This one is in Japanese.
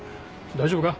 大丈夫か？